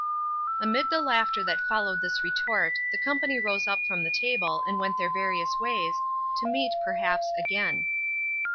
Amid the laughter that followed this retort the company rose up from the table and went their various ways, to meet, perhaps, again.